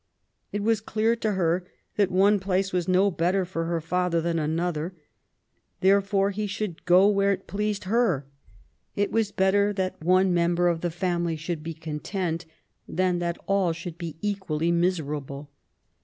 It was clear to her that one place was no better for her father than another; therefore he should go where it pleased her. It was better that one 2 18 MABY W0LL8T0NEGBAFT GODWIN. member of the family should be content^ than that all should be equally miserable.